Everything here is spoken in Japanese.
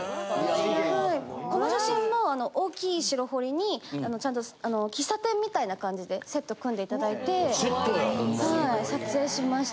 この写真も大きい白ホリにちゃんと喫茶店みたいな感じでセット組んでいただいてはい撮影しました。